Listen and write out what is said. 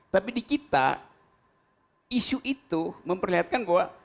tapi di kita isu itu memperlihatkan bahwa